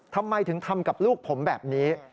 ทำไมถึงทำกับลูกผมแบบนี้